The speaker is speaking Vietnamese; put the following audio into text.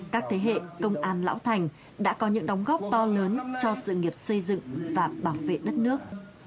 các thế hệ công an lão thành đã có những đóng góp to lớn cho sự nghiệp xây dựng và bảo vệ đất nước